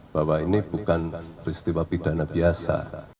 bahwa ini bukan peristiwa pidana biasa